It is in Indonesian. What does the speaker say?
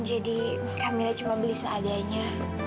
jadi kak mila cuma beli seadanya